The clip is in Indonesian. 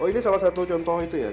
oh ini salah satu contoh ya krebsnya ya